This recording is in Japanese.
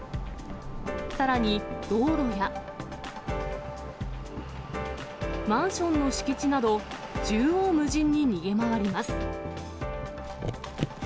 さらに道路や、マンションの敷地など、縦横無尽に逃げ回ります。